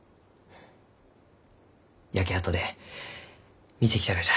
焼け跡で見てきたがじゃ。